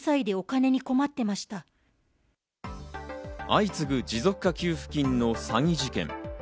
相次ぐ持続化給付金の詐欺事件。